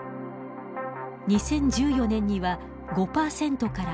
２０１４年には、５％から８％。